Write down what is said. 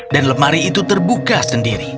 dan lemari itu terbuka sendiri